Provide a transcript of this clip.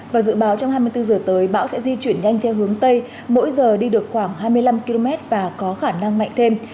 và dự báo trong hai mươi bốn giờ tới bão sẽ di chuyển nhanh theo hướng tây mỗi giờ đi được khoảng hai mươi năm km và có khả năng mạnh thêm